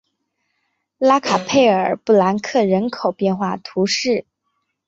拉卡佩尔博南克人口变化图示